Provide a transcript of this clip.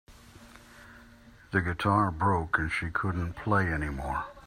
The guitar broke and she couldn't play anymore.